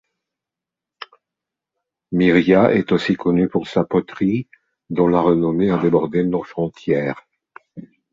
Mirriah est aussi connu pour sa poterie, dont la renommée a débordé nos frontières.